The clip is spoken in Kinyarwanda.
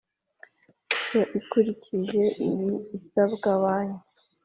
Byo ikurikije ibi isabwa banki